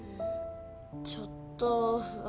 ちょっと不安。